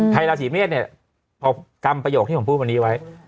ราศีเมษเนี่ยพอกรรมประโยคที่ผมพูดวันนี้ไว้